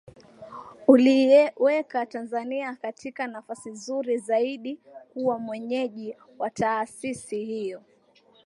uliiweka Tanzania katika nafasi nzuri zaidi kuwa mwenyeji wa taasisi hiyo